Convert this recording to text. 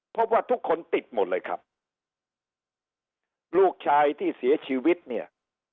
พบว่าทุกคนติดหมดเลยครับลูกชายที่เสียชีวิตเนี่ย